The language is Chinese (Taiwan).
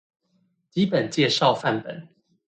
基本介紹範本